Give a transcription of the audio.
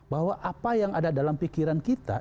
bahwa apa yang ada dalam pikiran kita